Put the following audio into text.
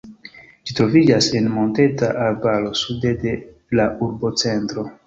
Ĝi troviĝas en monteta arbaro sude de la urbocentro.